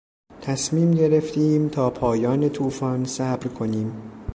تصمیم گرفتیم تا پایان توفان صبر کنیم.